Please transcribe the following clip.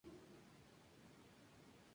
Desde barrio Matienzo hasta barrio Urca.